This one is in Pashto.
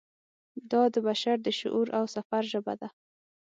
دا د بشر د شعور او سفر ژبه ده.